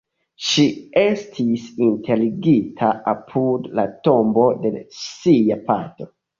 Ŝi estis enterigita apud la tombo de sia patro.